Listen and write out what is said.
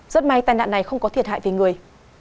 rất may tai nạn này không có thiệt hại về người